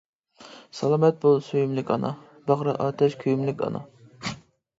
سالامەت بول سۆيۈملۈك ئانا، باغرى ئاتەش كۆيۈملۈك ئانا.